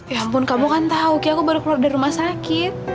ya ampun kamu kan tahu ki aku baru keluar dari rumah sakit